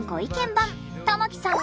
番玉木さん